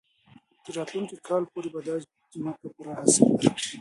تر راتلونکي کال پورې به دا ځمکه پوره حاصل ورکړي.